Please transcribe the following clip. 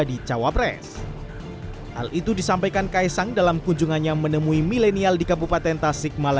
ibran juga akan menjawab karena ibran belum bisa menjawab